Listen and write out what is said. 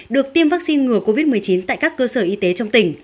được tiêm vaccine ngừa covid một mươi chín tại các cơ sở y tế trong tỉnh